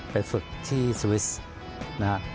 ไปฝึกที่สวิสเมริกานะครับ